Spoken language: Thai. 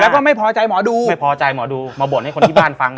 แล้วก็ไม่พอใจหมอดูไม่พอใจหมอดูมาบ่นให้คนที่บ้านฟัง